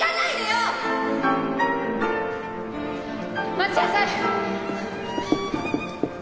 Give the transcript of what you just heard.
待ちなさい！